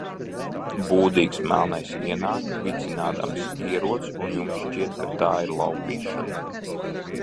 Būdīgs melnais ienāk, vicinādams ieroci, un jums šķiet, ka tā ir laupīšana?